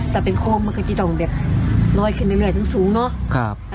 ถ้าเป็นโค้งมันก็จะต้องแบบลอยขึ้นเรื่อยสูงเนอะ